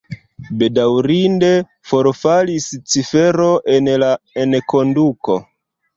Bedaŭrinde forfalis cifero en la enkonduko.